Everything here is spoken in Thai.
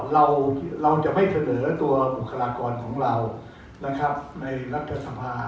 เราจะไม่เสนอตัวบุคลากรของเรานะครับในรัฐสภา